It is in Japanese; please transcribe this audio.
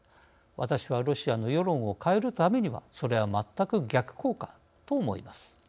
私は、ロシアの世論を変えるためにはそれは全く逆効果だと思います。